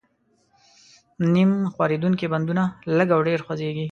نیم ښورېدونکي بندونه لږ او ډېر خوځېږي.